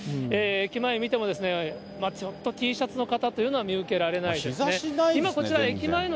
駅前見ても、ちょっとＴシャツの方っていうのは見受けられないですね。